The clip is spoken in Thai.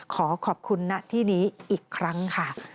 ขอขอบคุณณที่นี้อีกครั้งค่ะ